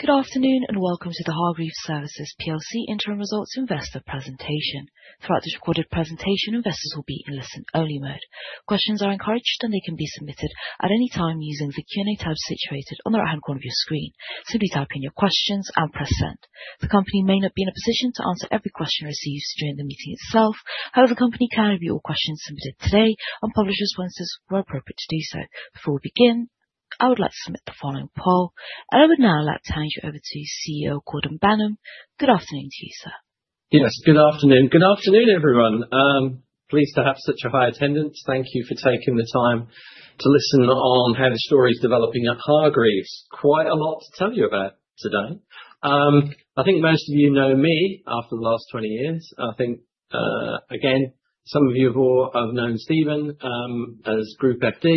Good afternoon, and welcome to the Hargreaves Services plc interim results investor presentation. Throughout this recorded presentation, investors will be in listen-only mode. Questions are encouraged, and they can be submitted at any time using the Q&A tab situated on the right-hand corner of your screen. Simply type in your questions and press Send. The company may not be in a position to answer every question received during the meeting itself, however, the company can review all questions submitted today and publish responses where appropriate to do so. Before we begin, I would like to submit the following poll, and I would now like to hand you over to CEO, Gordon Banham. Good afternoon to you, sir. Yes, good afternoon. Good afternoon, everyone. Pleased to have such a high attendance. Thank you for taking the time to listen on how the story's developing at Hargreaves. Quite a lot to tell you about today. I think most of you know me after the last 20 years. I think, again, some of you who have known Stephen, as group FD,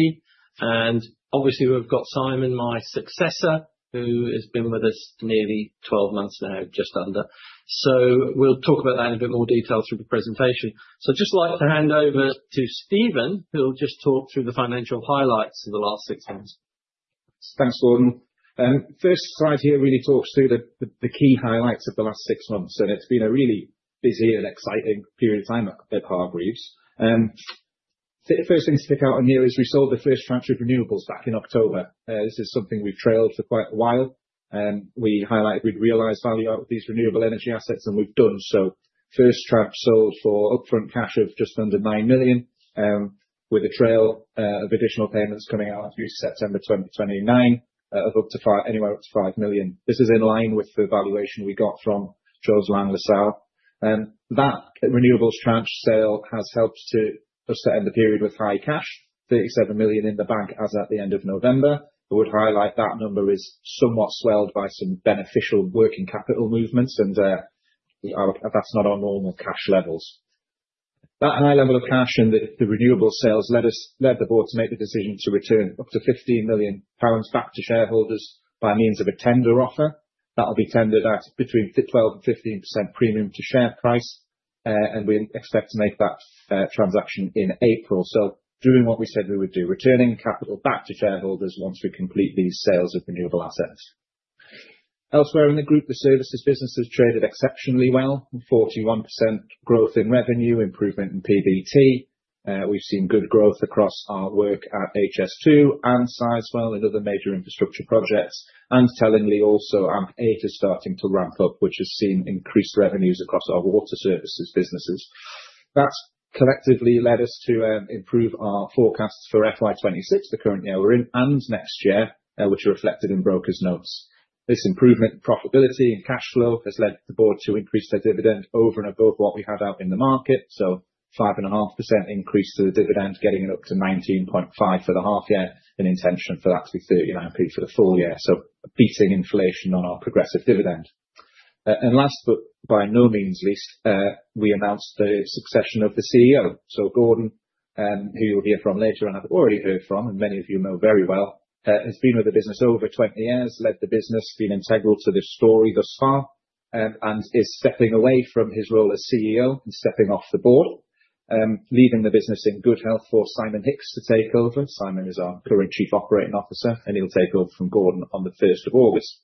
and obviously, we've got Simon, my successor, who has been with us nearly 12 months now, just under. So we'll talk about that in a bit more detail through the presentation. So I'd just like to hand over to Stephen, who'll just talk through the financial highlights of the last six months. Thanks, Gordon. First slide here really talks through the key highlights of the last six months, and it's been a really busy and exciting period of time at Hargreaves. The first thing to stick out on here is we sold the first tranche of renewables back in October. This is something we've trailed for quite a while, and we highlighted we'd realize value out of these renewable energy assets, and we've done so. First tranche sold for upfront cash of just under 9 million, with a trail of additional payments coming out through September 2029, of up to five-- anywhere up to 5 million. This is in line with the valuation we got from Jones Lang LaSalle. That renewables tranche sale has helped to us end the period with high cash, 37 million in the bank as at the end of November. I would highlight that number is somewhat swelled by some beneficial working capital movements, and that's not our normal cash levels. That high level of cash and the renewables sales led the board to make the decision to return up to 15 million pounds back to shareholders by means of a tender offer. That'll be tendered at between 12%-15% premium to share price, and we expect to make that transaction in April. So doing what we said we would do, returning capital back to shareholders once we complete these sales of renewable assets. Elsewhere in the group, the services business has traded exceptionally well, with 41% growth in revenue, improvement in PBT. We've seen good growth across our work at HS2 and Sizewell and other major infrastructure projects, and tellingly also, AMP8 is starting to ramp up, which has seen increased revenues across our water services businesses. That's collectively led us to improve our forecasts for FY 2026, the current year we're in, and next year, which are reflected in brokers' notes. This improvement in profitability and cash flow has led the board to increase their dividend over and above what we had out in the market, so 5.5% increase to the dividend, getting it up to 19.5p for the half year, and intention for that to be 39p for the full year, so beating inflation on our progressive dividend. And last, but by no means least, we announced the succession of the CEO. So Gordon, who you'll hear from later, and have already heard from, and many of you know very well, has been with the business over 20 years, led the business, been integral to this story thus far, and is stepping away from his role as CEO and stepping off the board, leaving the business in good health for Simon Hicks to take over. Simon is our current Chief Operating Officer, and he'll take over from Gordon on the first of August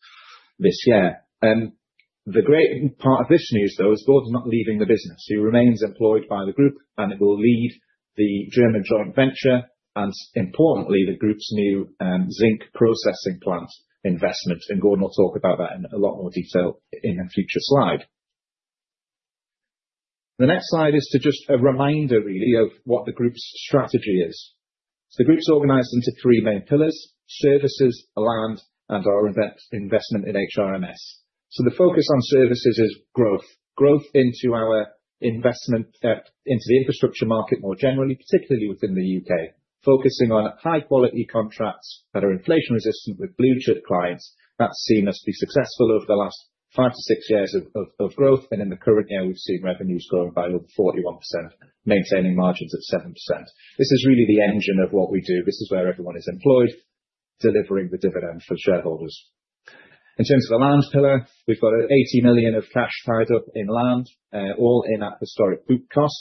this year. The great part of this news, though, is Gordon's not leaving the business. He remains employed by the group, and he will lead the German joint venture, and importantly, the group's new zinc processing plant investment, and Gordon will talk about that in a lot more detail in a future slide. The next slide is just a reminder, really, of what the group's strategy is. So the group's organized into three main pillars: services, land, and our investment in HRMS. So the focus on services is growth. Growth into our investment into the infrastructure market more generally, particularly within the U.K., focusing on high-quality contracts that are inflation resistant with blue chip clients. That's seen us be successful over the last 5-6 years of growth, and in the current year, we've seen revenues growing by over 41%, maintaining margins at 7%. This is really the engine of what we do. This is where everyone is employed, delivering the dividend for shareholders. In terms of the land pillar, we've got 80 million of cash tied up in land, all in at historic book cost,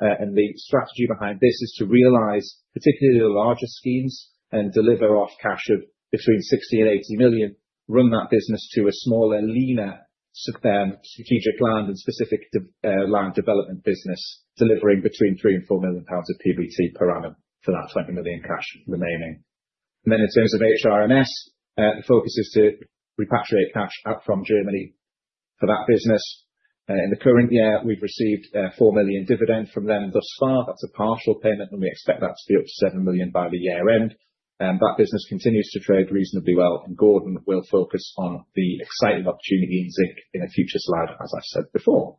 and the strategy behind this is to realize particularly the larger schemes and deliver off cash of between 60 million-80 million, run that business to a smaller, leaner, strategic land and specific land development business, delivering between 3 million- 4 million pounds of PBT per annum for that 20 million cash remaining. Then, in terms of HRMS, the focus is to repatriate cash out from Germany for that business. In the current year, we've received 4 million dividend from them thus far. That's a partial payment, and we expect that to be up to 7 million by the year end. That business continues to trade reasonably well, and Gordon will focus on the exciting opportunity in zinc in a future slide, as I said before.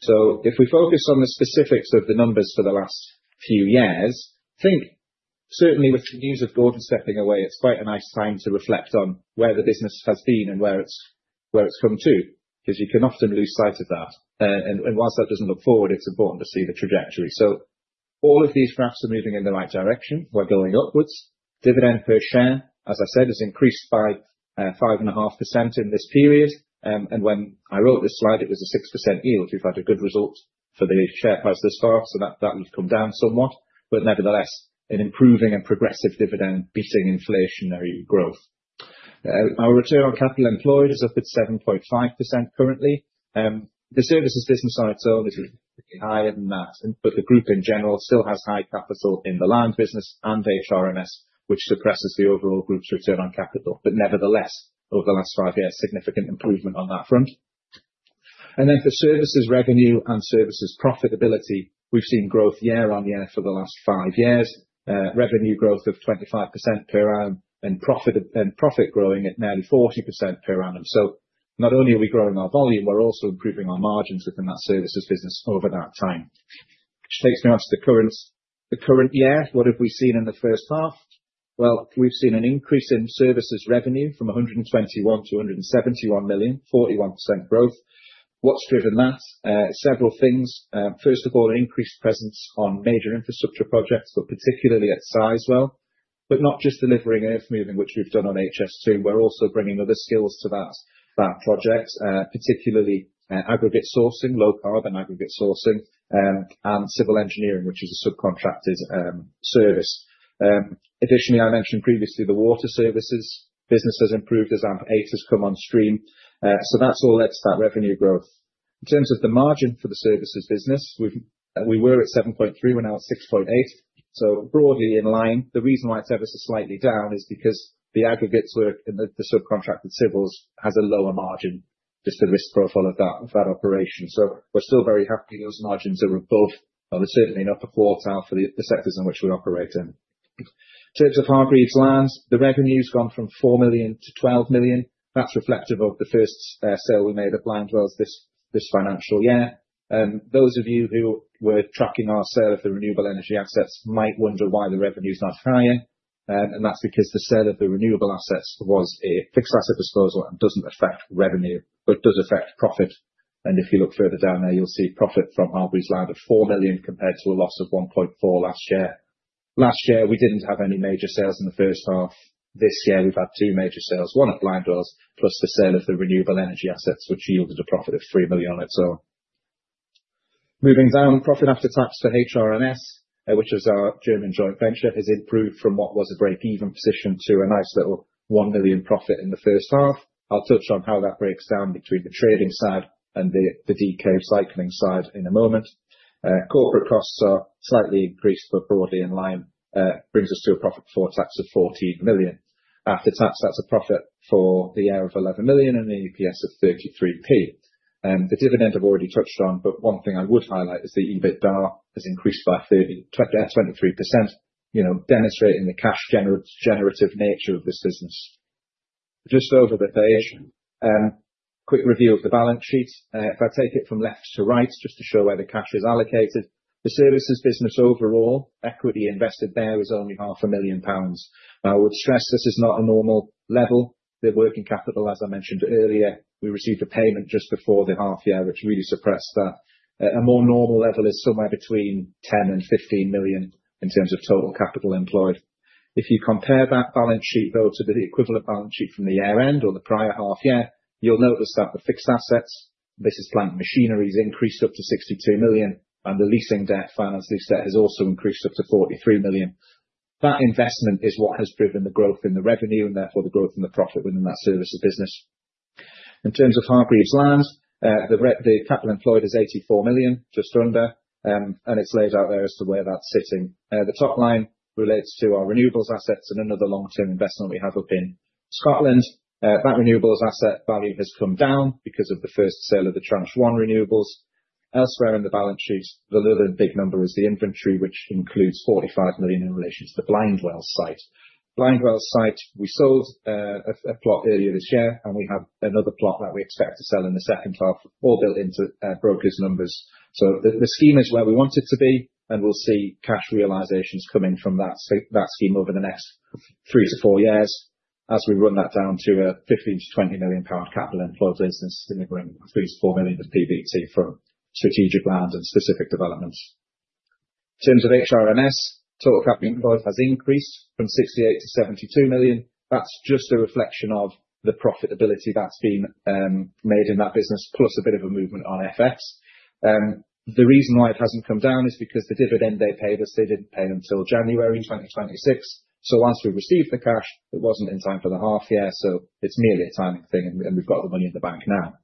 So if we focus on the specifics of the numbers for the last few years, I think certainly with the news of Gordon stepping away, it's quite a nice time to reflect on where the business has been and where it's come to, because you can often lose sight of that. And whilst that doesn't look forward, it's important to see the trajectory. So all of these graphs are moving in the right direction. We're going upwards. Dividend per share, as I said, has increased by 5.5% in this period, and when I wrote this slide, it was a 6% yield. We've had a good result for the share price thus far, so that, that has come down somewhat, but nevertheless, an improving and progressive dividend beating inflationary growth. Our return on capital employed is up at 7.5% currently. The services business on its own is even higher than that, but the group, in general, still has high capital in the land business and HRMS, which suppresses the overall group's return on capital. But nevertheless, over the last five years, significant improvement on that front. And then for services revenue and services profitability, we've seen growth year-on-year for the last five years. Revenue growth of 25% per annum, and profit, and profit growing at nearly 40% per annum. So not only are we growing our volume, we're also improving our margins within that services business over that time. Which takes me onto the current year. What have we seen in the first half? Well, we've seen an increase in services revenue from 121 million to 171 million, 41% growth. What's driven that? Several things. First of all, an increased presence on major infrastructure projects, but particularly at Sizewell. But not just delivering earthmoving, which we've done on HS2, we're also bringing other skills to that project, particularly aggregate sourcing, low carbon and aggregate sourcing, and civil engineering, which is a subcontractor's service. Additionally, I mentioned previously, the water services business has improved as AMP8 has come on stream. So that's all led to that revenue growth. In terms of the margin for the services business, we've, we were at 7.3, we're now at 6.8, so broadly in line. The reason why it's ever so slightly down is because the aggregates work and the subcontracted civils has a lower margin, just the risk profile of that, of that operation. So we're still very happy those margins are above, certainly in upper quartile for the sectors in which we operate in. In terms of Hargreaves Land, the revenue's gone from 4 million to 12 million. That's reflective of the first sale we made at Blindwells this financial year. Those of you who were tracking our sale of the renewable energy assets might wonder why the revenue's not higher, and that's because the sale of the renewable assets was a fixed asset disposal and doesn't affect revenue, but does affect profit. If you look further down there, you'll see profit from Hargreaves Land of 4 million, compared to a loss of 1.4 million last year. Last year, we didn't have any major sales in the first half. This year, we've had two major sales, one at Blindwells, plus the sale of the renewable energy assets, which yielded a profit of 3 million or so. Moving down, profit after tax to HRMS, which is our German joint venture, has improved from what was a breakeven position to a nice little 1 million profit in the first half. I'll touch on how that breaks down between the trading side and the recycling side in a moment. Corporate costs are slightly increased, but broadly in line. Brings us to a profit before tax of 14 million. After tax, that's a profit for the year of 11 million and EPS of 33p. The dividend I've already touched on, but one thing I would highlight is the EBITDA has increased by 23%, you know, demonstrating the cash generative nature of this business. Just over the page, quick review of the balance sheet. If I take it from left to right, just to show where the cash is allocated, the services business overall, equity invested there is only 0.5 million pounds. I would stress this is not a normal level. The working capital, as I mentioned earlier, we received a payment just before the half year, which really suppressed that. A more normal level is somewhere between 10 million and 15 million in terms of total capital employed. If you compare that balance sheet, though, to the equivalent balance sheet from the year-end or the prior half year, you'll notice that the fixed assets, this is plant machinery, has increased up to 62 million, and the leasing debt, finance lease debt, has also increased up to 43 million. That investment is what has driven the growth in the revenue, and therefore the growth in the profit within that services business. In terms of Hargreaves Land, the capital employed is just under GBP 84 million, and it's laid out there as to where that's sitting. The top line relates to our renewables assets and another long-term investment we have up in Scotland. That renewables asset value has come down because of the first sale of the tranche 1 renewables. Elsewhere in the balance sheet, the other big number is the inventory, which includes 45 million in relation to the Blindwells site. Blindwells site, we sold a plot earlier this year, and we have another plot that we expect to sell in the second half, all built into brokers' numbers. So the scheme is where we want it to be, and we'll see cash realizations coming from that scheme over the next three to four years, as we run that down to a 15million-20 million pound capital employed business, delivering 3 million-4 million of PBT from strategic lands and specific developments. In terms of HRMS, total capital employed has increased from 68 million to 72 million. That's just a reflection of the profitability that's been made in that business, plus a bit of a movement on FX. The reason why it hasn't come down is because the dividend they paid us, they didn't pay until January 2026. So once we received the cash, it wasn't in time for the half year, so it's merely a timing thing, and, and we've got the money in the bank now.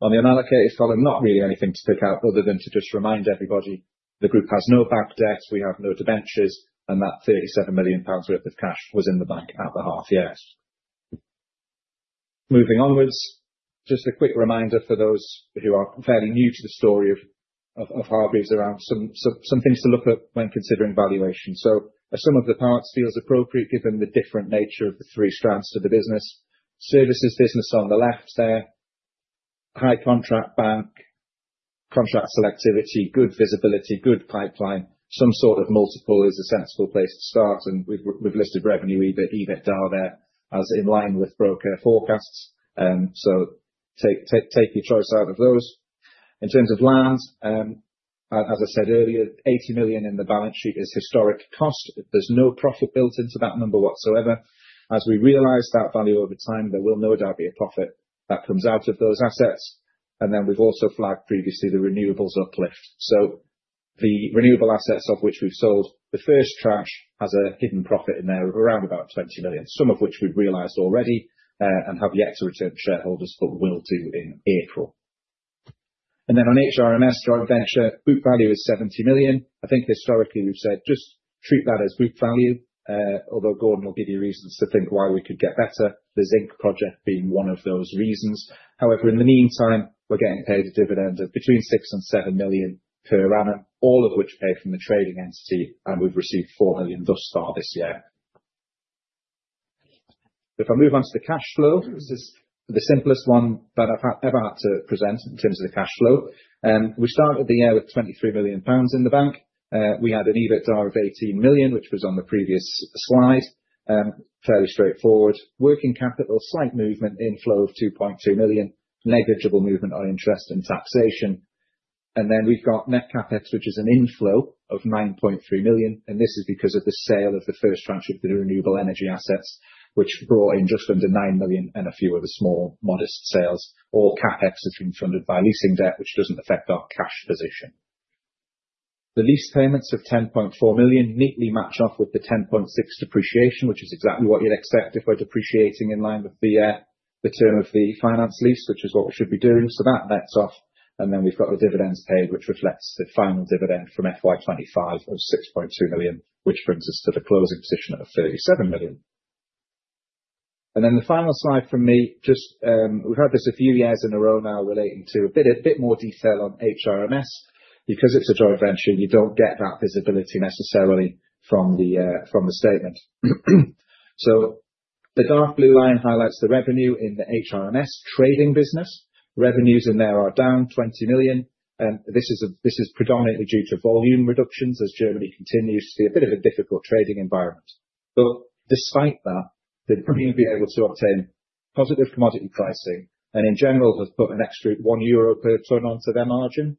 On the unallocated column, not really anything to take out, other than to just remind everybody, the group has no bank debt, we have no debentures, and that 37 million pounds worth of cash was in the bank at the half year. Moving onwards, just a quick reminder for those who are fairly new to the story of Hargreaves, around some things to look at when considering valuation. So a sum of the parts feels appropriate, given the different nature of the three strands to the business. Services business on the left there, high contract bank, contract selectivity, good visibility, good pipeline. Some sort of multiple is a sensible place to start, and we've listed revenue, EBIT, EBITDA there, as in line with broker forecasts. So take your choice out of those. In terms of lands, as I said earlier, 80 million in the balance sheet is historic cost. There's no profit built into that number whatsoever. As we realize that value over time, there will no doubt be a profit that comes out of those assets. And then we've also flagged previously the renewables uplift. The renewable assets of which we've sold, the first tranche has a hidden profit in there of around about 20 million, some of which we've realized already, and have yet to return to shareholders, but will do in April. And then on HRMS, joint venture, book value is 70 million. I think historically we've said, just treat that as book value, although Gordon will give you reasons to think why we could get better, the zinc project being one of those reasons. However, in the meantime, we're getting paid a dividend of between 6 million and 7 million per annum, all of which are paid from the trading entity, and we've received 4 million thus far this year. If I move on to the cash flow, this is the simplest one that I've ever had to present in terms of the cash flow. We started the year with 23 million pounds in the bank. We had an EBITDA of 18 million, which was on the previous slide, fairly straightforward. Working capital, slight movement, inflow of 2.2 million. Negligible movement on interest and taxation. And then we've got net CapEx, which is an inflow of 9.3 million, and this is because of the sale of the first tranche of the renewable energy assets, which brought in just under 9 million and a few other small, modest sales, all CapEx has been funded by leasing debt, which doesn't affect our cash position. The lease payments of 10.4 million neatly match off with the 10.6 depreciation, which is exactly what you'd expect if we're depreciating in line with the, the term of the finance lease, which is what we should be doing. So that nets off, and then we've got our dividends paid, which reflects the final dividend from FY 2025 of 6.2 million, which brings us to the closing position of 37 million. And then the final slide from me, just, we've had this a few years in a row now relating to a bit, a bit more detail on HRMS, because it's a joint venture, you don't get that visibility necessarily from the, from the statement. So the dark blue line highlights the revenue in the HRMS trading business. Revenues in there are down 20 million, and this is a this is predominantly due to volume reductions, as Germany continues to see a bit of a difficult trading environment. But despite that, they've continue to be able to obtain positive commodity pricing, and in general, have put an extra 1 euro per ton onto their margin,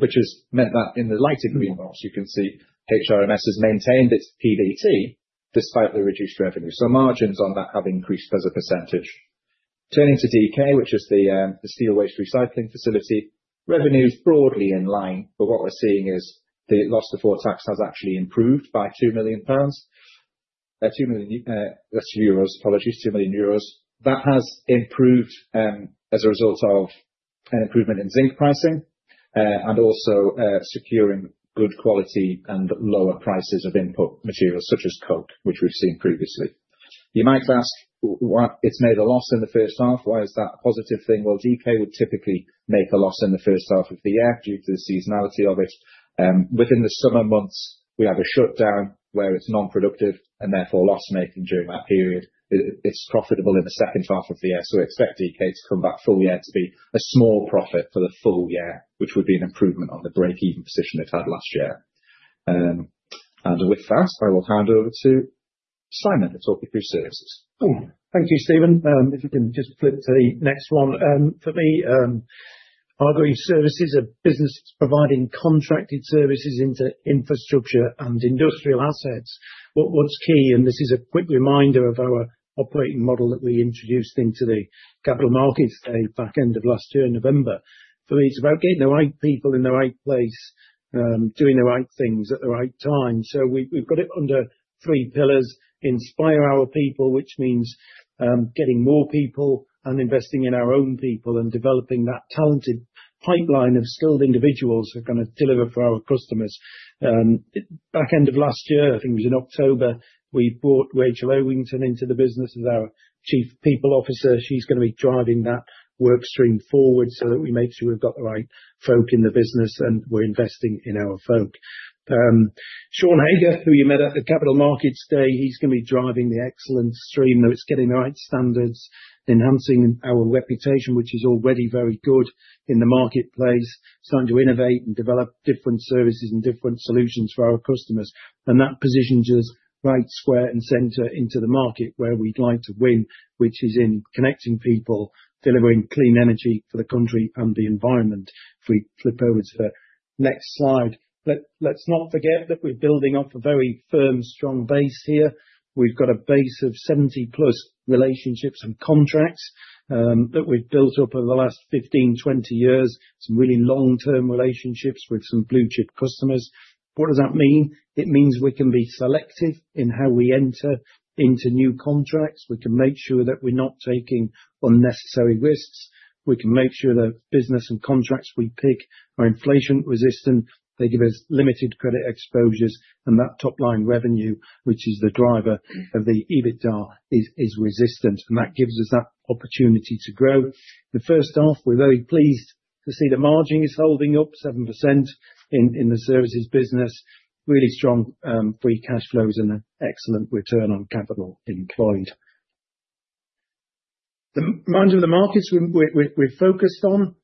which has meant that in the lighter green bars, you can see HRMS has maintained its PBT, despite the reduced revenue. So margins on that have increased as a percentage. Turning to DK, which is the, the steel waste recycling facility, revenue is broadly in line, but what we're seeing is the loss before tax has actually improved by 2 million pounds. That's euros, apologies, 2 million euros. That has improved, as a result of an improvement in zinc pricing, and also, securing good quality and lower prices of input materials, such as coke, which we've seen previously. You might ask, why it's made a loss in the first half, why is that a positive thing? Well, DK would typically make a loss in the first half of the year, due to the seasonality of it. Within the summer months, we have a shutdown, where it's non-productive, and therefore, loss-making during that period. It's profitable in the second half of the year, so we expect DK to come back full year to be a small profit for the full year, which would be an improvement on the breakeven position it had last year. And with that, I will hand over to Simon to talk you through services. Thank you, Stephen. If you can just flip to the next one. For me, ongoing services, a business that's providing contracted services into infrastructure and industrial assets. What's key, and this is a quick reminder of our operating model that we introduced into the capital markets day, back end of last year in November. For me, it's about getting the right people in the right place, doing the right things at the right time. So we, we've got it under three pillars: inspire our people, which means, getting more people and investing in our own people, and developing that talented pipeline of skilled individuals who are gonna deliver for our customers. Back end of last year, I think it was in October, we brought Rachel Ovington into the business as our Chief People Officer. She's gonna be driving that work stream forward, so that we make sure we've got the right folk in the business, and we're investing in our folk. Sean Hager, who you met at the Capital Markets Day, he's gonna be driving the excellence stream, though it's getting the right standards, enhancing our reputation, which is already very good in the marketplace, starting to innovate and develop different services and different solutions for our customers. And that positions us right square and center into the market, where we'd like to win, which is in connecting people, delivering clean energy for the country and the environment. If we flip over to the next slide. Let's not forget that we're building up a very firm, strong base here. We've got a base of 70+ relationships and contracts that we've built up over the last 15, 20 years, some really long-term relationships with some blue-chip customers. What does that mean? It means we can be selective in how we enter into new contracts. We can make sure that we're not taking unnecessary risks. We can make sure the business and contracts we pick are inflation-resistant, they give us limited credit exposures, and that top-line revenue, which is the driver of the EBITDA, is resistant, and that gives us that opportunity to grow. The first half, we're very pleased to see the margin is holding up 7% in the services business. Really strong free cash flows and an excellent return on capital employed. The margins of the markets we're focused on,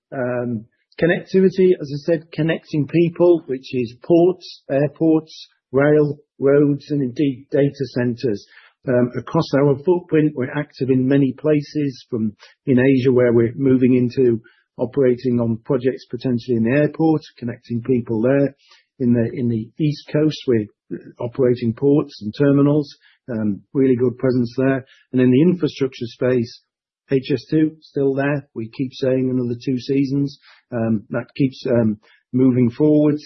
connectivity, as I said, connecting people, which is ports, airports, rail, roads, and indeed, data centers. Across our footprint, we're active in many places, from Asia, where we're moving into operating on projects, potentially in the airport, connecting people there. In the East Coast, we're operating ports and terminals, really good presence there. And in the infrastructure space HS2, still there. We keep saying another two seasons, that keeps moving forwards.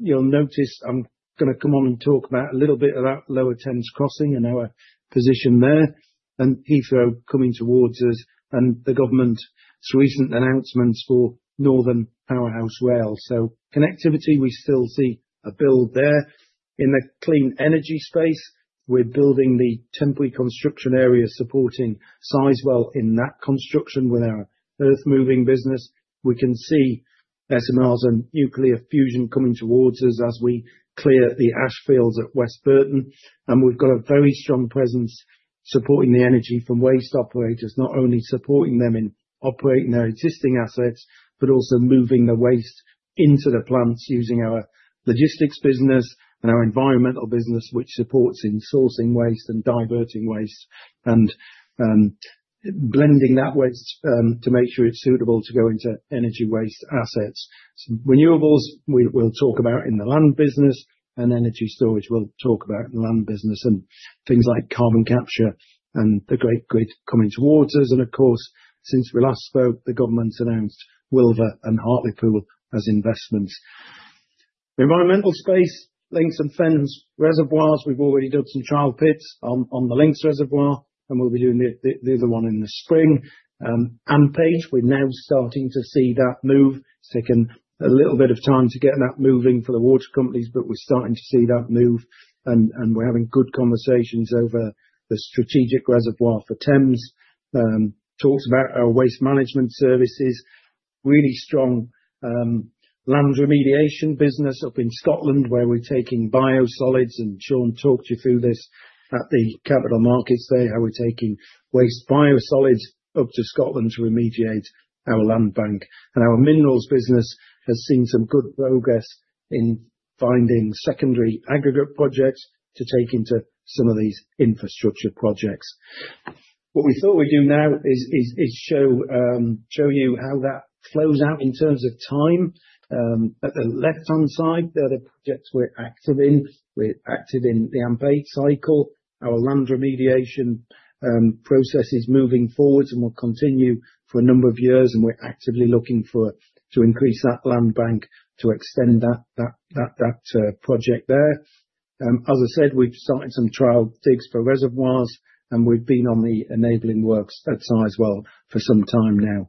You'll notice I'm gonna come on and talk about a little bit about Lower Thames Crossing and our position there, and Heathrow coming towards us, and the government's recent announcements for Northern Powerhouse Rail. So connectivity, we still see a build there. In the clean energy space, we're building the temporary construction area, supporting Sizewell in that construction with our earthmoving business. We can see SMRs and nuclear fusion coming towards us as we clear the ash fields at West Burton, and we've got a very strong presence supporting the energy from waste operators, not only supporting them in operating their existing assets, but also moving the waste into the plants, using our logistics business and our environmental business, which supports in sourcing waste and diverting waste, and blending that waste to make sure it's suitable to go into energy waste assets. Renewables, we'll talk about in the land business, and energy storage, we'll talk about in the land business, and things like carbon capture and the Great Grid coming towards us, and of course, since we last spoke, the government's announced Wilton and Hartlepool as investments. Environmental space, Lincolnshire and Thames Reservoirs, we've already done some trial pits on the Lincolnshire Reservoir, and we'll be doing the other one in the spring. AMP8, we're now starting to see that move. It's taken a little bit of time to get that moving for the water companies, but we're starting to see that move, and we're having good conversations over the strategic reservoir for Thames. Talked about our waste management services. Really strong land remediation business up in Scotland, where we're taking biosolids, and Sean talked you through this at the Capital Markets Day, how we're taking waste biosolids up to Scotland to remediate our land bank. And our minerals business has seen some good progress in finding secondary aggregate projects to take into some of these infrastructure projects. What we thought we'd do now is show you how that flows out in terms of time. At the left-hand side, there are the projects we're active in. We're active in the AMP8 cycle. Our land remediation process is moving forward and will continue for a number of years, and we're actively looking to increase that land bank to extend that project there. As I said, we've started some trial digs for reservoirs, and we've been on the enabling works at Sizewell for some time now.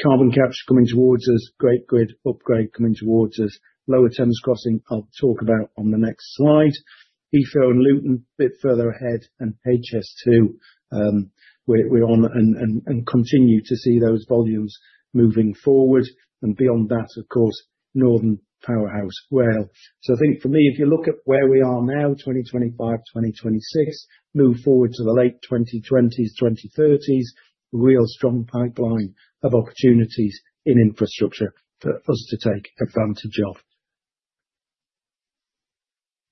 Carbon capture coming towards us, Great Grid Upgrade coming towards us. Lower Thames Crossing, I'll talk about on the next slide. Heathrow and Luton, a bit further ahead, and HS2, we're on and continue to see those volumes moving forward, and beyond that, of course, Northern Powerhouse Rail. So I think for me, if you look at where we are now, 2025, 2026, move forward to the late 2020s, 2030s, real strong pipeline of opportunities in infrastructure for us to take advantage of.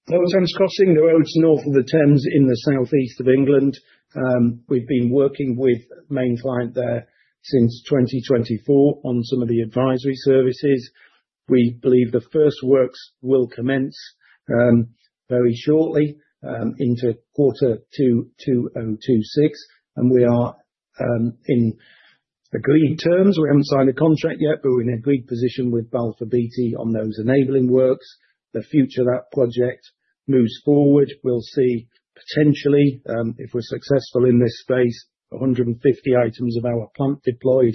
Lower Thames Crossing, the road to the north of the Thames in the southeast of England. We've been working with Mainline there since 2024 on some of the advisory services. We believe the first works will commence very shortly into quarter two 2026, and we are in agreed terms. We haven't signed a contract yet, but we're in an agreed position with Balfour Beatty on those enabling works. The future of that project moves forward. We'll see potentially, if we're successful in this space, 150 items of our plant deployed,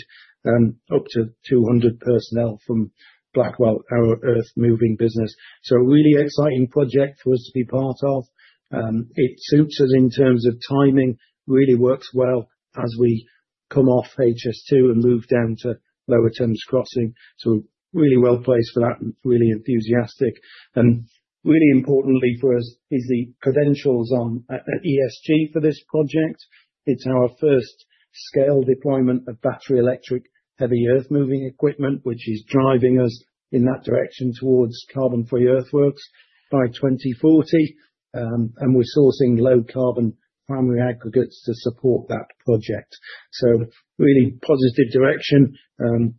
up to 200 personnel from Blackwell, our earthmoving business. So a really exciting project for us to be part of. It suits us in terms of timing, really works well as we come off HS2 and move down to Lower Thames Crossing. So really well placed for that and really enthusiastic. And really importantly for us, is the credentials on ESG for this project. It's our first scale deployment of battery electric, heavy earthmoving equipment, which is driving us in that direction towards carbon-free earthworks by 2040, and we're sourcing low-carbon primary aggregates to support that project. So really positive direction,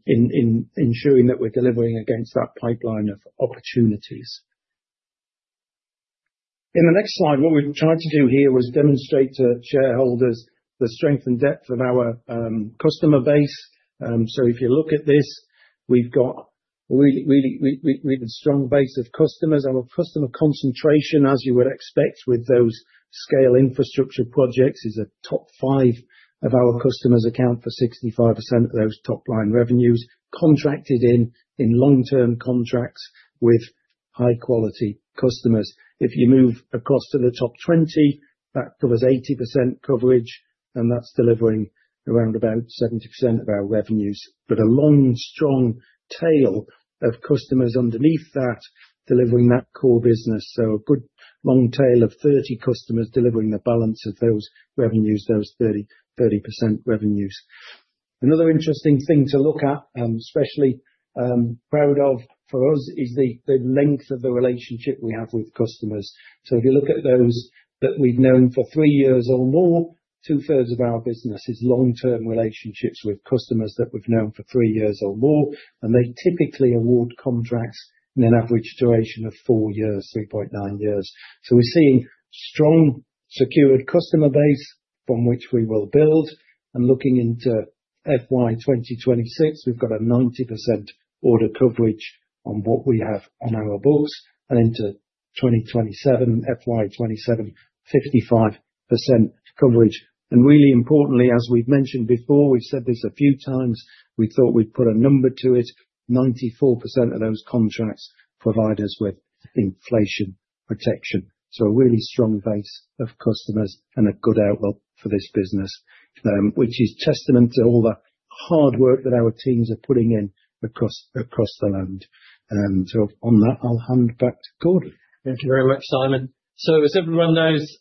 in ensuring that we're delivering against that pipeline of opportunities. In the next slide, what we've been trying to do here was demonstrate to shareholders the strength and depth of our customer base. So if you look at this, we've got a really strong base of customers. Our customer concentration, as you would expect with those scale infrastructure projects, is a top five of our customers account for 65% of those top line revenues, contracted in long-term contracts with high-quality customers. If you move across to the top 20, that covers 80% coverage, and that's delivering around about 70% of our revenues. But a long, strong tail of customers underneath that, delivering that core business, so a good long tail of 30 customers delivering the balance of those revenues, those 30% revenues. Another interesting thing to look at, I'm especially proud of, for us, is the length of the relationship we have with customers. So if you look at those that we've known for three years or more, two-thirds of our business is long-term relationships with customers that we've known for three years or more, and they typically award contracts in an average duration of four years, 3.9 years. So we're seeing strong secured customer base from which we will build, and looking into FY 2026, we've got a 90% order coverage on what we have on our books, and into 2027, FY 2027, 55% coverage. Really importantly, as we've mentioned before, we've said this a few times, we thought we'd put a number to it, 94% of those contracts provide us with inflation protection. So a really strong base of customers and a good outlook for this business, which is testament to all the hard work that our teams are putting in across the land. So on that, I'll hand back to Gordon. Thank you very much, Simon. So as everyone knows,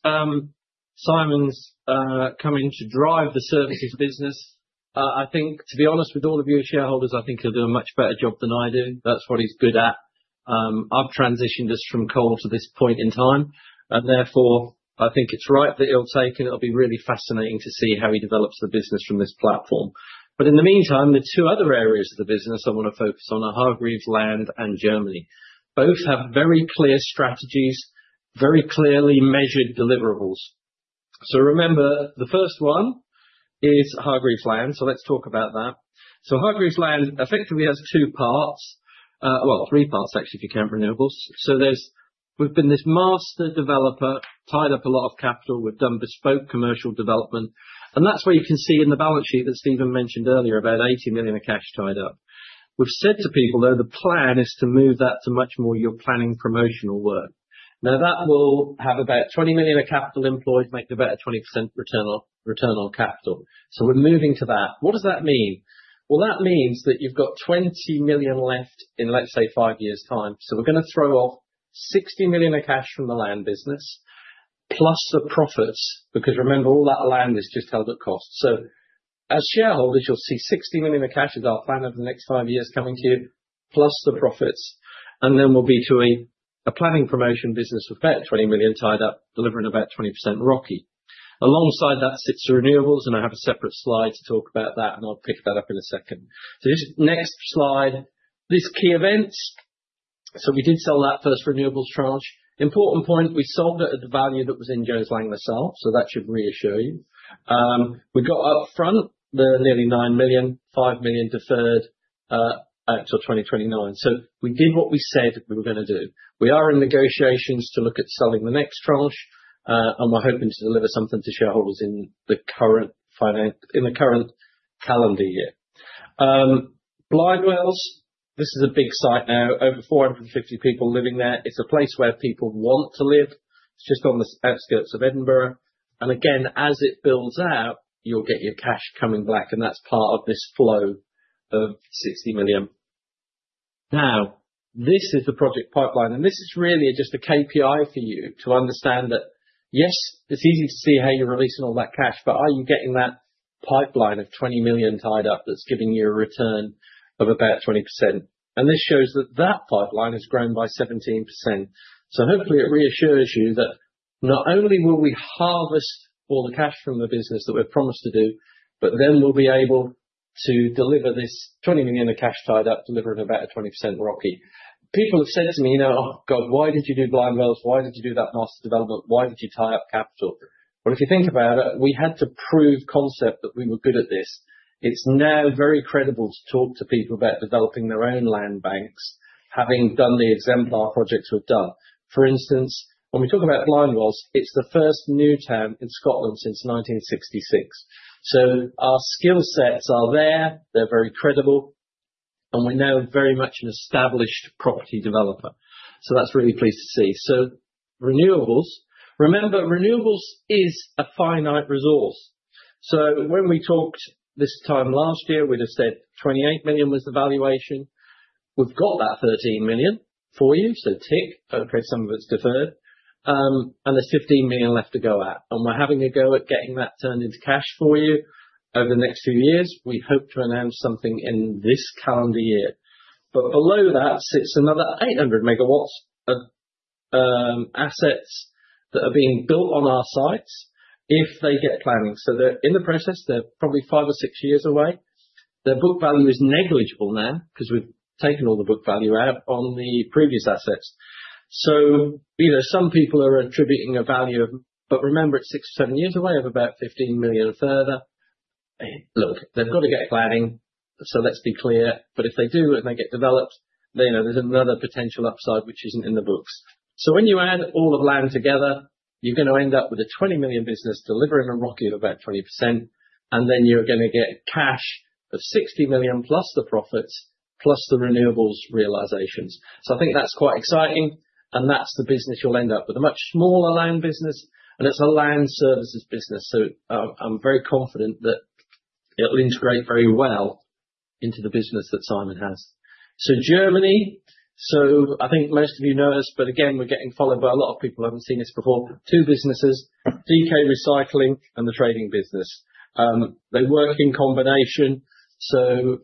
Simon's coming in to drive the services business. I think, to be honest with all of you as shareholders, I think he'll do a much better job than I do. That's what he's good at. I've transitioned us from coal to this point in time, and therefore, I think it's right that he'll take it. It'll be really fascinating to see how he develops the business from this platform. But in the meantime, the two other areas of the business I wanna focus on are Hargreaves Land and Germany. Both have very clear strategies, very clearly measured deliverables. So remember, the first one is Hargreaves Land, so let's talk about that. So Hargreaves Land effectively has two parts, well, three parts, actually, if you count renewables. So there's we've been this master developer, tied up a lot of capital, we've done bespoke commercial development, and that's where you can see in the balance sheet that Stephen mentioned earlier, about 80 million of cash tied up. We've said to people, though, the plan is to move that to much more your planning promotional work. Now, that will have about 20 million of capital employed, make about a 20% return on, return on capital. So we're moving to that. What does that mean? Well, that means that you've got 20 million left in, let's say, five years' time. So we're gonna throw off 60 million of cash from the land business, plus the profits, because remember, all that land is just held at cost. So as shareholders, you'll see 60 million of cash as our plan over the next five years coming to you, plus the profits, and then we'll be doing a planning promotion business of about 20 million, tied up, delivering about 20% ROCE. Alongside that sits the renewables, and I have a separate slide to talk about that, and I'll pick that up in a second. So this next slide, this key events. So we did sell that first renewables tranche. Important point, we sold it at the value that was in Jones Lang LaSalle, so that should reassure you. We got up front nearly 9 million, 5 million deferred, out to 2029. So we did what we said we were gonna do. We are in negotiations to look at selling the next tranche, and we're hoping to deliver something to shareholders in the current calendar year. Blindwells, this is a big site now, over 450 people living there. It's a place where people want to live. It's just on the outskirts of Edinburgh, and again, as it builds out, you'll get your cash coming back, and that's part of this flow of 60 million. Now, this is the project pipeline, and this is really just a KPI for you to understand that, yes, it's easy to see how you're releasing all that cash, but are you getting that pipeline of 20 million tied up that's giving you a return of about 20%? And this shows that that pipeline has grown by 17%. So hopefully it reassures you that not only will we harvest all the cash from the business that we've promised to do, but then we'll be able to deliver this 20 million of cash tied up, delivered about a 20% ROCE. People have said to me, "You know, oh, God, why did you do Blindwells? Why did you do that master development? Why did you tie up capital?" But if you think about it, we had to prove concept that we were good at this. It's now very credible to talk to people about developing their own land banks, having done the exemplar projects we've done. For instance, when we talk about Blindwells, it's the first new town in Scotland since 1966. So our skill sets are there, they're very credible, and we're now very much an established property developer. So that's really pleased to see. So renewables. Remember, renewables is a finite resource. So when we talked this time last year, we'd have said 28 million was the valuation. We've got that 13 million for you, so tick, okay, some of it's deferred. And there's 15 million left to go at, and we're having a go at getting that turned into cash for you over the next few years. We hope to announce something in this calendar year. But below that sits another 800 MW of assets that are being built on our sites, if they get planning. So they're in the process. They're probably five or six years away. Their book value is negligible now, because we've taken all the book value out on the previous assets. So, you know, some people are attributing a value, but remember, it's six, seven years away of about 15 million further. Look, they've got to get planning, so let's be clear, but if they do and they get developed, then, you know, there's another potential upside, which isn't in the books. So when you add all the land together, you're gonna end up with a 20 million business, delivering a ROCE of about 20%, and then you're gonna get cash of 60 million, plus the profits, plus the renewables realizations. So I think that's quite exciting, and that's the business you'll end up with. A much smaller land business, and it's a land services business. So I, I'm very confident that it'll integrate very well into the business that Simon has. So Germany, so I think most of you know this, but again, we're getting followed by a lot of people who haven't seen us before. Two businesses, DK Recycling and the trading business. They work in combination, so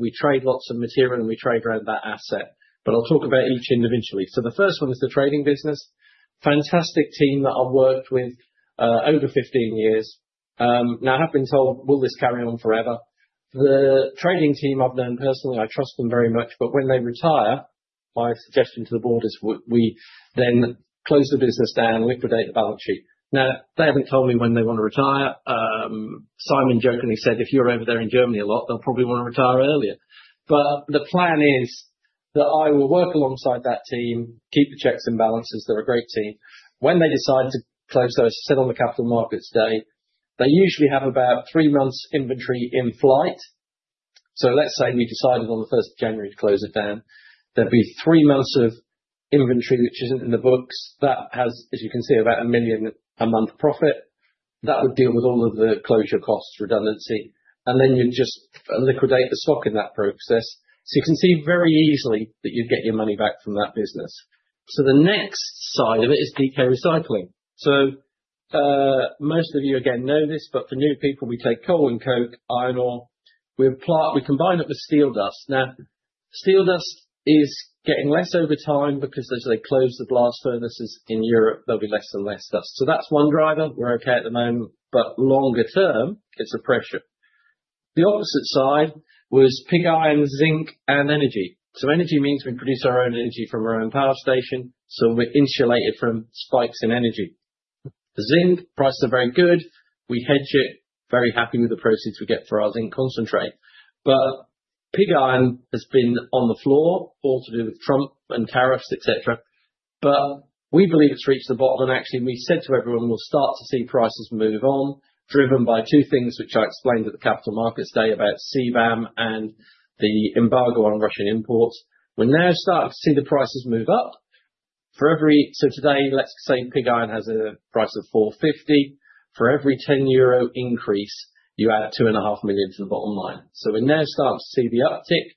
we trade lots of material, and we trade around that asset. But I'll talk about each individually. So the first one is the trading business. Fantastic team that I've worked with over 15 years. Now I have been told, "Will this carry on forever?" The trading team, I've known personally, I trust them very much, but when they retire. My suggestion to the board is we then close the business down and liquidate the balance sheet. Now, they haven't told me when they want to retire. Simon jokingly said, "If you're over there in Germany a lot, they'll probably want to retire earlier." But the plan is that I will work alongside that team, keep the checks and balances. They're a great team. When they decide to close, so I sit on the capital markets day, they usually have about three months inventory in flight. So let's say we decided on the first of January to close it down, there'd be three months of inventory, which isn't in the books. That has, as you can see, about 1 million a month profit. That would deal with all of the closure costs, redundancy, and then you'd just liquidate the stock in that process. So you can see very easily that you'd get your money back from that business. So the next side of it is DK Recycling. So, most of you, again, know this, but for new people, we take coal and coke, iron ore. We combine it with steel dust. Now, steel dust is getting less over time because as they close the blast furnaces in Europe, there'll be less and less dust. So that's one driver. We're okay at the moment, but longer term, it's a pressure. The opposite side was pig iron, zinc, and energy. So energy means we produce our own energy from our own power station, so we're insulated from spikes in energy. Zinc, prices are very good. We hedge it. Very happy with the proceeds we get for our zinc concentrate. But pig iron has been on the floor, all to do with Trump and tariffs, et cetera. But we believe it's reached the bottom, and actually, we said to everyone, we'll start to see prices move on, driven by two things, which I explained at the capital markets day, about CBAM and the embargo on Russian imports. We're now starting to see the prices move up. So today, let's say pig iron has a price of 450. For every 10 euro increase, you add 2.5 million to the bottom line. So we're now starting to see the uptick.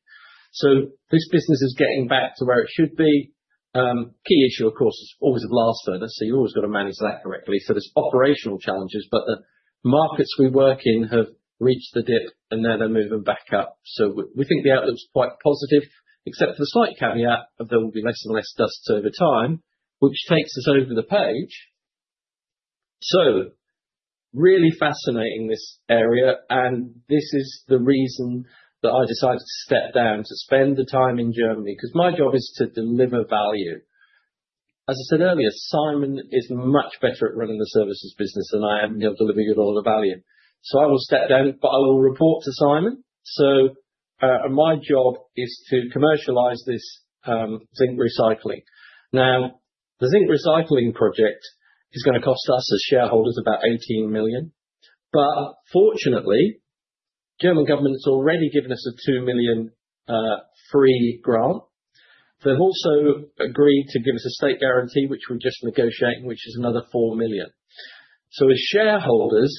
So this business is getting back to where it should be. Key issue, of course, is always a blast furnace, so you've always got to manage that correctly. So there's operational challenges, but the markets we work in have reached the dip, and now they're moving back up. So we think the outlook's quite positive, except for the slight caveat of there will be less and less dust over time, which takes us over the page. So really fascinating, this area, and this is the reason that I decided to step down to spend the time in Germany, because my job is to deliver value. As I said earlier, Simon is much better at running the services business than I am, and he'll deliver good all the value. So I will step down, but I will report to Simon. So, my job is to commercialize this, zinc recycling. Now, the zinc recycling project is gonna cost us, as shareholders, about 18 million. But fortunately, German government has already given us a 2 million free grant. They've also agreed to give us a state guarantee, which we're just negotiating, which is another 4 million. So as shareholders,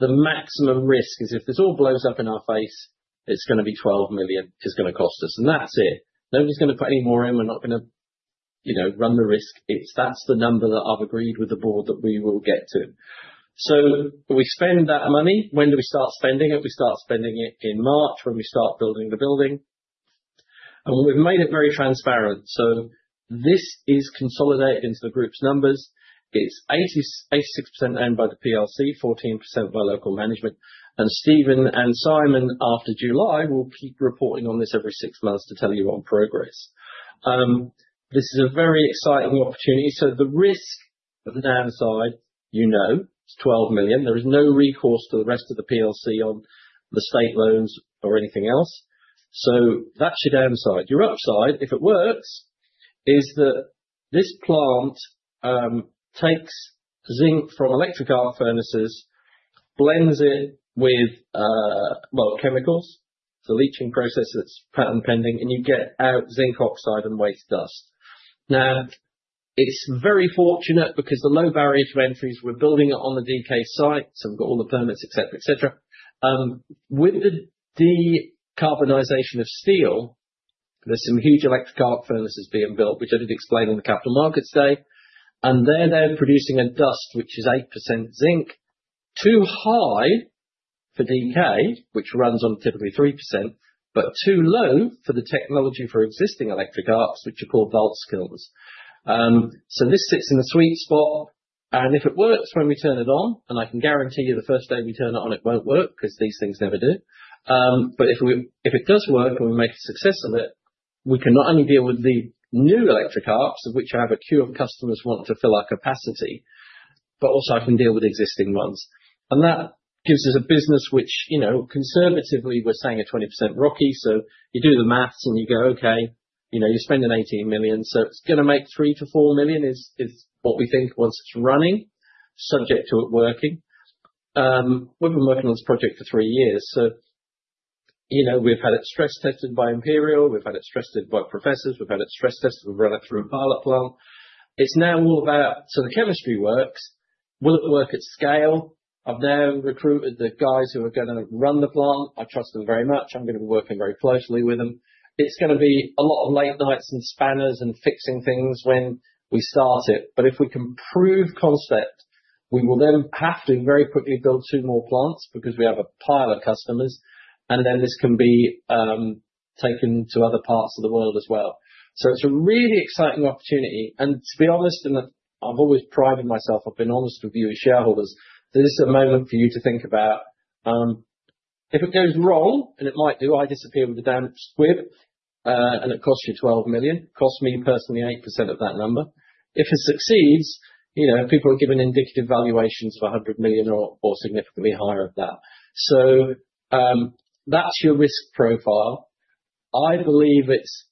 the maximum risk is if this all blows up in our face, it's gonna be 12 million, it's gonna cost us, and that's it. Nobody's gonna put any more in. We're not gonna, you know, run the risk. It's. That's the number that I've agreed with the board that we will get to. So we spend that money. When do we start spending it? We start spending it in March, when we start building the building. And we've made it very transparent, so this is consolidated into the group's numbers. It's 86% owned by the PLC, 14% by local management, and Stephen and Simon, after July, will keep reporting on this every six months to tell you on progress. This is a very exciting opportunity. So the risk of the downside, you know, is 12 million. There is no recourse to the rest of the PLC on the state loans or anything else. So that's your downside. Your upside, if it works, is that this plant takes zinc from electric arc furnaces, blends it with chemicals. It's a leaching process that's patent pending, and you get out zinc oxide and waste dust. Now, it's very fortunate because the low barrier to entry, we're building it on the DK site, so we've got all the permits, et cetera, et cetera. With the decarbonization of steel, there's some huge electric arc furnaces being built, which I did explain on the Capital Markets Day. And they're now producing a dust which is 8% zinc. Too high for DK, which runs on typically 3%, but too low for the technology for existing electric arcs, which are called Waelz Kiln. So this sits in the sweet spot, and if it works, when we turn it on, and I can guarantee you the first day we turn it on, it won't work, because these things never do. But if it does work, and we make a success of it, we can not only deal with the new electric arcs, of which I have a queue of customers wanting to fill our capacity, but also I can deal with existing ones. And that gives us a business which, you know, conservatively, we're saying a 20% ROCE. So you do the math, and you go, "Okay, you know, you're spending 18 million," so it's gonna make 3 million-4 million, is, is what we think, once it's running, subject to it working. We've been working on this project for three years, so, you know, we've had it stress tested by Imperial. We've had it stress tested by professors. We've had it stress tested. We've run it through a pilot plant. It's now all about... So the chemistry works. Will it work at scale? I've now recruited the guys who are gonna run the plant. I trust them very much. I'm gonna be working very closely with them. It's gonna be a lot of late nights and spanners and fixing things when we start it, but if we can prove concept, we will then have to very quickly build two more plants, because we have a pile of customers, and then this can be taken to other parts of the world as well. So it's a really exciting opportunity, and to be honest, and I've always prided myself, I've been honest with you, as shareholders, this is a moment for you to think about. If it goes wrong, and it might do, I disappear with the damn squib, and it costs you 12 million, costs me personally 8% of that number. If it succeeds, you know, people are given indicative valuations for 100 million or, or significantly higher of that. So, that's your risk profile. I believe it's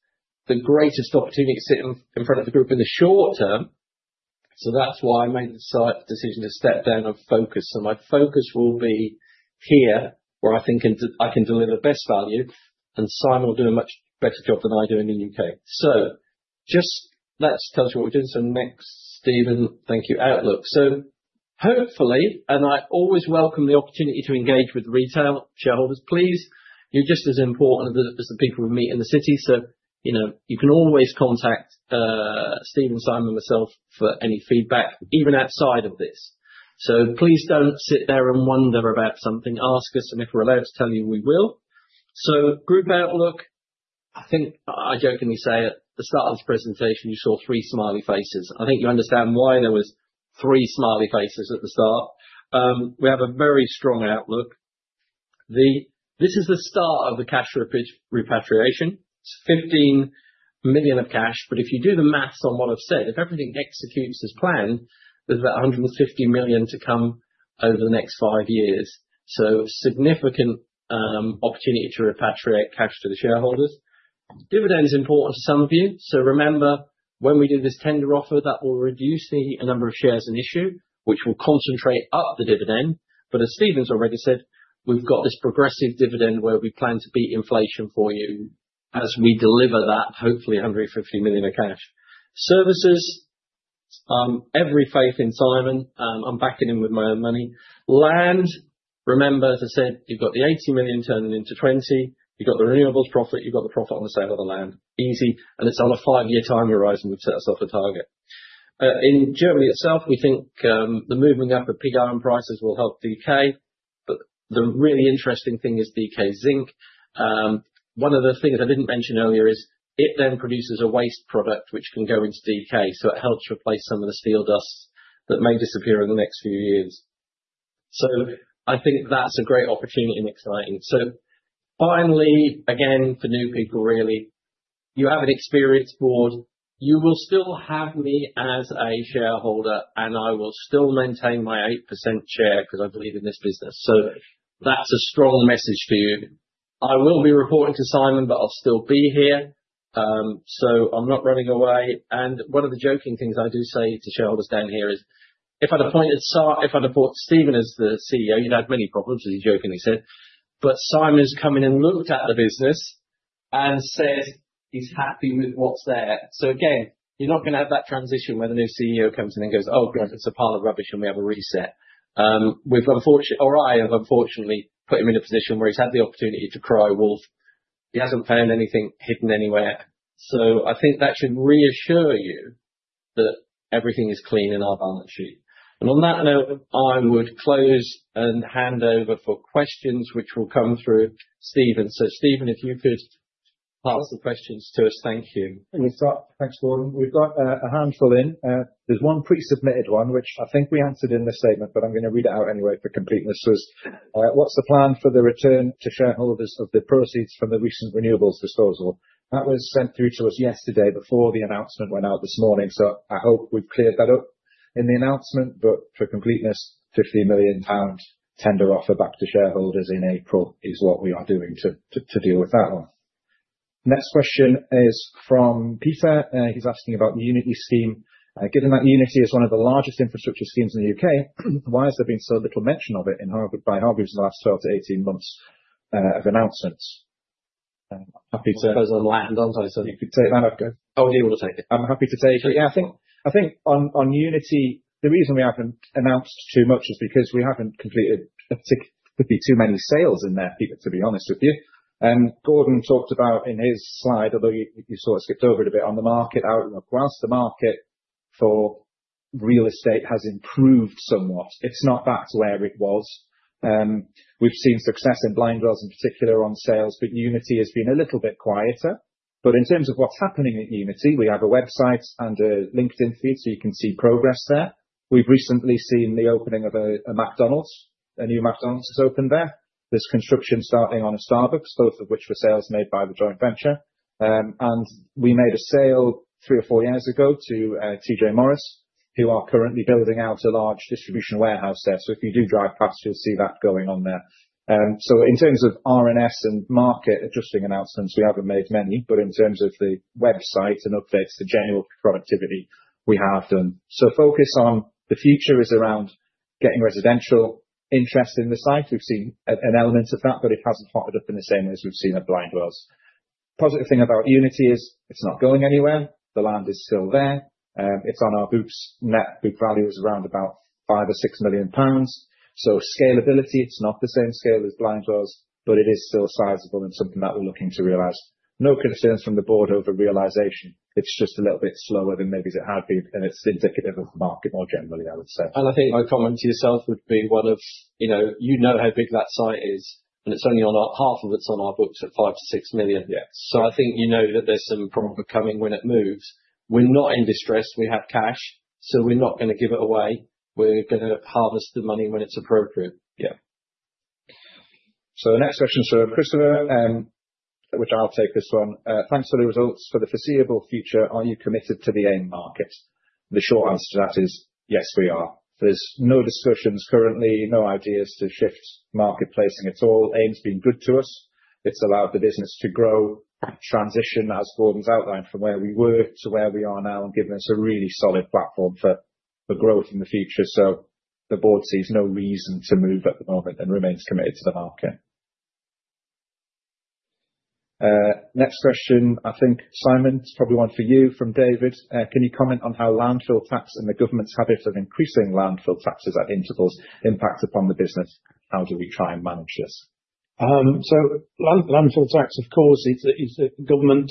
the greatest opportunity sitting in front of the group in the short term, so that's why I made the decision to step down and focus, and my focus will be here, where I think I can, I can deliver best value, and Simon will do a much better job than I doing in U.K. So just, let's tell you what we're doing. So next, Stephen. Thank you. Outlook. So hopefully, and I always welcome the opportunity to engage with retail shareholders, please, you're just as important as, as the people we meet in the city, so, you know, you can always contact, Steve and Simon, myself, for any feedback, even outside of this. So please don't sit there and wonder about something. Ask us, and if we're allowed to tell you, we will. So group outlook, I think I jokingly say at the start of this presentation, you saw three smiley faces. I think you understand why there was three smiley faces at the start. We have a very strong outlook. This is the start of the cash repatriation. It's 15 million of cash, but if you do the math on what I've said, if everything executes as planned, there's about 150 million to come over the next five years, so significant opportunity to repatriate cash to the shareholders. Dividend is important to some of you, so remember, when we do this tender offer, that will reduce the number of shares in issue, which will concentrate up the dividend. But as Stephen's already said, we've got this progressive dividend where we plan to beat inflation for you as we deliver that, hopefully 150 million of cash. Services, every faith in Simon, I'm backing him with my own money. Land, remember, as I said, you've got the 80 million turning into 20, you've got the renewables profit, you've got the profit on the sale of the land. Easy, and it's on a five-year time horizon, we've set ourselves a target. In Germany itself, we think, the moving up of pig iron prices will help DK, but the really interesting thing is DK Zinc. One other thing that I didn't mention earlier is, it then produces a waste product, which can go into DK, so it helps replace some of the steel dust that may disappear in the next few years. So I think that's a great opportunity and exciting. So finally, again, for new people, really, you have an experienced board. You will still have me as a shareholder, and I will still maintain my 8% share because I believe in this business, so that's a strong message for you. I will be reporting to Simon, but I'll still be here, so I'm not running away. And one of the joking things I do say to shareholders down here is, if I'd appointed Stephen as the CEO, you'd have many problems, as he jokingly said, but Simon's come in and looked at the business, and says he's happy with what's there. So again, you're not gonna have that transition, where the new CEO comes in and goes, "Oh, great, it's a pile of rubbish," and we have a reset. We've unfortunately, or I have unfortunately put him in a position where he's had the opportunity to cry wolf. He hasn't found anything hidden anywhere, so I think that should reassure you that everything is clean in our balance sheet. And on that note, I would close and hand over for questions, which will come through Stephen. So, Stephen, if you could pass the questions to us. Thank you. We've got, thanks, Gordon. We've got a handful in. There's one pre-submitted one, which I think we answered in the statement, but I'm gonna read it out anyway for completeness: What's the plan for the return to shareholders of the proceeds from the recent renewables disposal? That was sent through to us yesterday before the announcement went out this morning, so I hope we've cleared that up in the announcement, but for completeness, 50 million pounds tender offer back to shareholders in April is what we are doing to deal with that one. Next question is from Peter; he's asking about the Unity scheme. Given that Unity is one of the largest infrastructure schemes in the U.K., why has there been so little mention of it in Hargreaves' last 12-18 months of announcements? Happy to- Those are land, aren't they? Sorry. You could take that. Oh, you want to take it? I'm happy to take it. Yeah, I think, I think on, on Unity, the reason we haven't announced too much is because we haven't completed particularly too many sales in there, Peter, to be honest with you. Gordon talked about in his slide, although he sort of skipped over it a bit on the market outlook. While the market for real estate has improved somewhat, it's not back to where it was. We've seen success in Blindwells, in particular, on sales, but Unity has been a little bit quieter. But in terms of what's happening at Unity, we have a website and a LinkedIn feed, so you can see progress there. We've recently seen the opening of a McDonald's. A new McDonald's has opened there. There's construction starting on a Starbucks, both of which were sales made by the joint venture. And we made a sale three or four years ago to T.J. Morris, who are currently building out a large distribution warehouse there. So if you do drive past, you'll see that going on there. So in terms of RNS and market-adjusting announcements, we haven't made many, but in terms of the website and updates, the general productivity, we have done. So focus on the future is around getting residential interest in the site. We've seen an element of that, but it hasn't popped up in the same way as we've seen at Blindwells. Positive thing about Unity is, it's not going anywhere. The land is still there. It's on our books. Net book value is around about 5 million-6 million pounds. So scalability, it's not the same scale as Blindwells, but it is still sizable and something that we're looking to realize. No concerns from the board over realization. It's just a little bit slower than maybe it had been, and it's indicative of the market more generally, I would say. I think my comment to yourself would be one of, you know, you know how big that site is, and it's only on our half of it is on our books at 5 million-6 million. Yes. So I think you know that there's some profit coming when it moves. We're not in distress. We have cash, so we're not gonna give it away. ... we're gonna harvest the money when it's appropriate. Yeah. So the next question is from Christopher, which I'll take this one. "Thanks for the results. For the foreseeable future, are you committed to the AIM market?" The short answer to that is yes, we are. There's no discussions currently, no ideas to shift marketplace, and it's all, AIM's been good to us. It's allowed the business to grow, transition, as Gordon's outlined, from where we were to where we are now, and given us a really solid platform for growth in the future. So the board sees no reason to move at the moment and remains committed to the market. Next question, I think, Simon, it's probably one for you from David: "Can you comment on how landfill tax and the government's habit of increasing landfill taxes at intervals impacts upon the business? How do we try and manage this? So, Landfill Tax, of course, is a government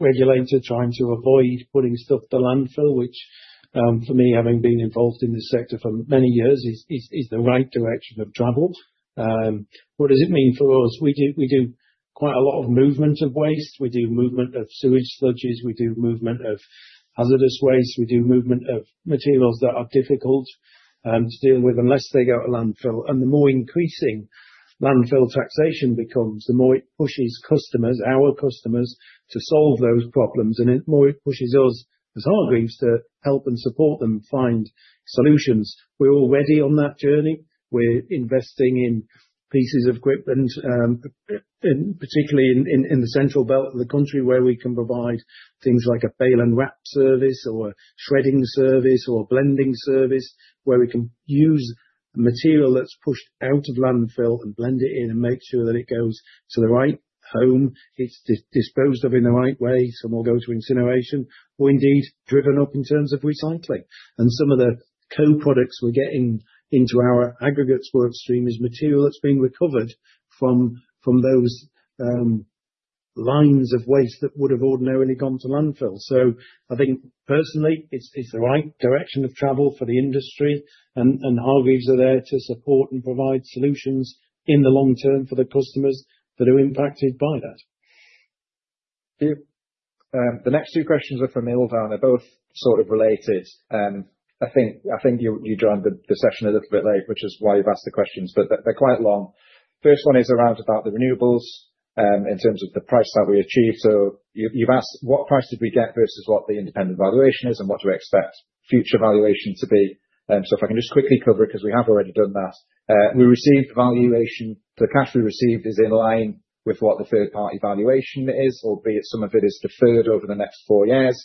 regulator trying to avoid putting stuff to landfill, which, for me, having been involved in this sector for many years, is the right direction of travel. What does it mean for us? We do quite a lot of movement of waste. We do movement of sewage sludges, we do movement of hazardous waste, we do movement of materials that are difficult to deal with unless they go to landfill. And the more increasing Landfill Tax becomes, the more it pushes customers, our customers, to solve those problems, and it more pushes us as Hargreaves to help and support them find solutions. We're already on that journey. We're investing in pieces of equipment, particularly in the Central Belt of the country, where we can provide things like a bale and wrap service or a shredding service or a blending service, where we can use the material that's pushed out of landfill and blend it in, and make sure that it goes to the right home, it's disposed of in the right way. Some will go to incineration or indeed driven up in terms of recycling. And some of the co-products we're getting into our aggregates work stream is material that's been recovered from those lines of waste that would have ordinarily gone to landfill. So I think personally, it's the right direction of travel for the industry, and Hargreaves are there to support and provide solutions in the long term for the customers that are impacted by that. Thank you. The next two questions are from Ilva, and they're both sort of related. I think you joined the session a little bit late, which is why you've asked the questions, but they're quite long. First one is around about the renewables, in terms of the price that we achieved. So you've asked, "What price did we get versus what the independent valuation is, and what do we expect future valuation to be?" So if I can just quickly cover it, 'cause we have already done that. We received valuation. The cash we received is in line with what the third-party valuation is, albeit some of it is deferred over the next four years.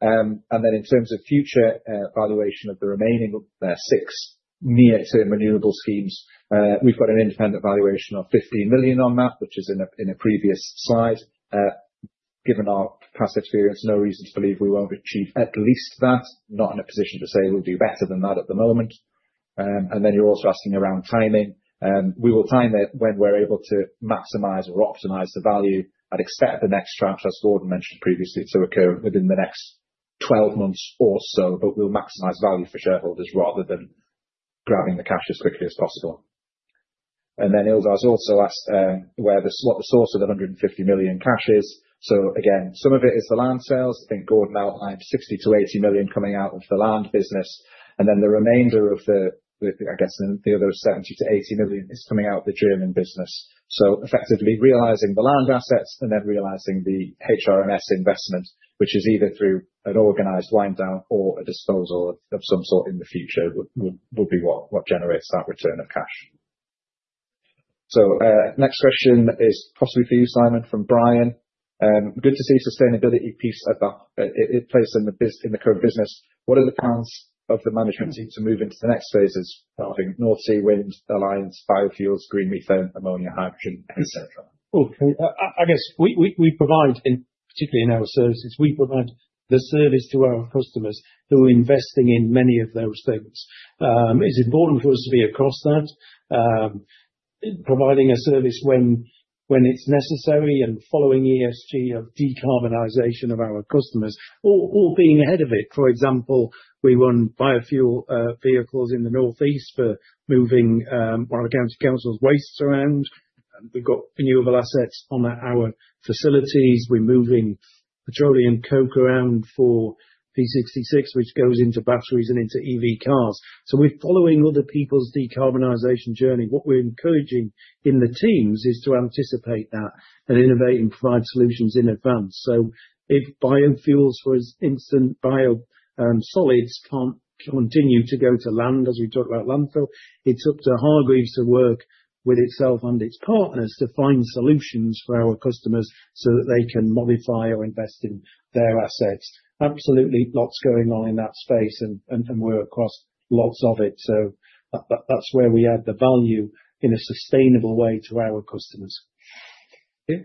And then in terms of future valuation of the remaining of the six near-term renewable schemes, we've got an independent valuation of 15 million on that, which is in a previous slide. Given our past experience, no reason to believe we won't achieve at least that. Not in a position to say we'll do better than that at the moment. And then you're also asking around timing. We will time it when we're able to maximize or optimize the value. I'd expect the next tranche, as Gordon mentioned previously, to occur within the next 12 months or so, but we'll maximize value for shareholders rather than grabbing the cash as quickly as possible. And then Ilva has also asked, where the, what the source of the 150 million cash is. So again, some of it is the land sales. I think Gordon outlined 60 million-80 million coming out of the land business, and then the remainder of, I guess, the other 70 million-80 million is coming out of the German business. So effectively, realizing the land assets and then realizing the HRMS investment, which is either through an organized wind down or a disposal of some sort in the future, would be what generates that return of cash. So, next question is possibly for you, Simon, from Brian. "Good to see sustainability piece at the in place in the business in the current business. What are the plans of the management team to move into the next phases, including North Sea wind, airlines, biofuels, green methane, ammonia, hydrogen, et cetera? Well, I guess we provide, in particular, in our services, we provide the service to our customers who are investing in many of those things. It's important for us to be across that, providing a service when it's necessary, and following ESG of decarbonization of our customers, or being ahead of it. For example, we run biofuel vehicles in the North East for moving one of the county council's wastes around, and we've got renewable assets on at our facilities. We're moving petroleum coke around for P66, which goes into batteries and into EV cars. So we're following other people's decarbonization journey. What we're encouraging in the teams is to anticipate that, and innovate and provide solutions in advance. So if biofuels, for instance, biosolids, can't continue to go to land, as we talk about landfill, it's up to Hargreaves to work with itself and its partners to find solutions for our customers, so that they can modify or invest in their assets. Absolutely lots going on in that space, and we're across lots of it. So that's where we add the value in a sustainable way to our customers. Thank you.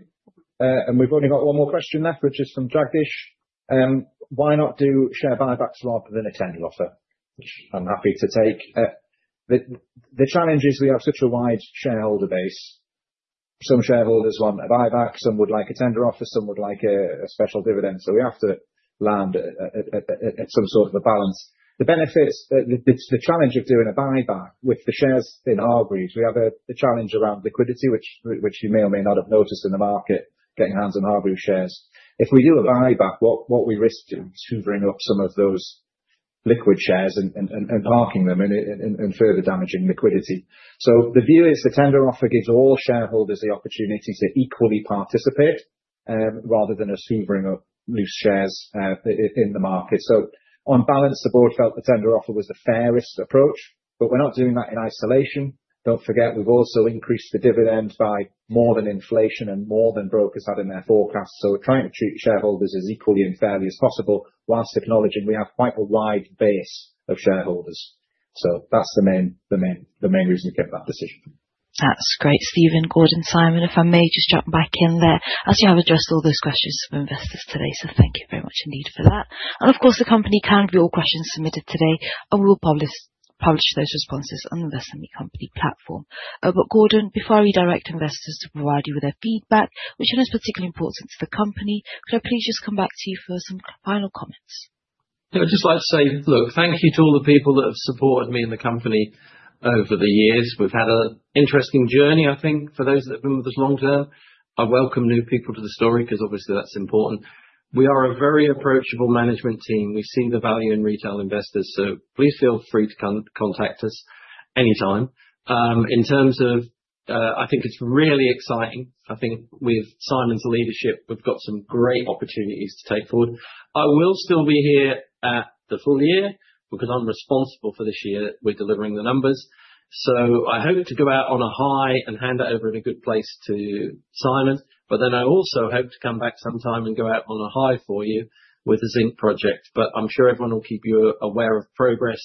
And we've only got one more question left, which is from Jagdish: "Why not do share buybacks rather than a tender offer?" Which I'm happy to take. The challenge is we have such a wide shareholder base. Some shareholders want a buyback, some would like a tender offer, some would like a special dividend, so we have to land at some sort of a balance. The benefits... The challenge of doing a buyback with the shares in Hargreaves, we have a challenge around liquidity, which you may or may not have noticed in the market, getting your hands on Hargreaves shares. If we do a buyback, what we risk doing is hoovering up some of those-... liquid shares and parking them and further damaging liquidity. So the view is the tender offer gives all shareholders the opportunity to equally participate, rather than a sobering of loose shares in the market. So on balance, the board felt the tender offer was the fairest approach, but we're not doing that in isolation. Don't forget, we've also increased the dividend by more than inflation and more than brokers had in their forecasts. So we're trying to treat shareholders as equally and fairly as possible, while acknowledging we have quite a wide base of shareholders. So that's the main reason we came to that decision. That's great, Stephen, Gordon, Simon, if I may just jump back in there. I see I've addressed all those questions from investors today, so thank you very much indeed for that. Of course, the company can view all questions submitted today, and we'll publish those responses on the Investor Meet Company platform. But Gordon, before I redirect investors to provide you with their feedback, which is particularly important to the company, could I please just come back to you for some final comments? Yeah, I'd just like to say, look, thank you to all the people that have supported me and the company over the years. We've had an interesting journey, I think, for those that have been with us long term. I welcome new people to the story because obviously that's important. We are a very approachable management team. We've seen the value in retail investors, so please feel free to contact us anytime. In terms of, I think it's really exciting. I think with Simon's leadership, we've got some great opportunities to take forward. I will still be here at the full year because I'm responsible for this year with delivering the numbers. So I hope to go out on a high and hand it over in a good place to Simon. But then I also hope to come back sometime and go out on a high for you with the zinc project. But I'm sure everyone will keep you aware of progress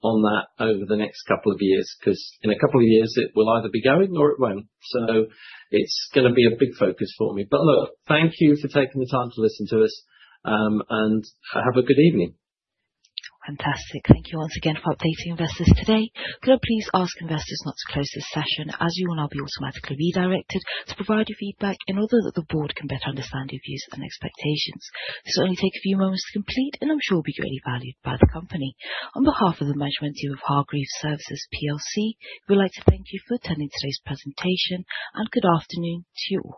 on that over the next couple of years, 'cause in a couple of years, it will either be going or it won't. So it's gonna be a big focus for me. But look, thank you for taking the time to listen to us, and have a good evening. Fantastic. Thank you once again for updating investors today. Could I please ask investors not to close this session, as you will now be automatically redirected to provide your feedback in order that the board can better understand your views and expectations. This will only take a few moments to complete and I'm sure will be greatly valued by the company. On behalf of the management team of Hargreaves Services plc, we'd like to thank you for attending today's presentation, and good afternoon to you all.